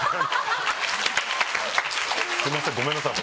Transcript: すいませんごめんなさい。